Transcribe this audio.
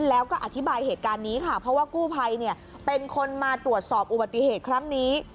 แล้วก็อธิบายเหตุการณ์นี้ค่ะเพราะว่ากู้ภัยเป็นคนมาตรวจสอบอุบัติเหตุครั้งนี้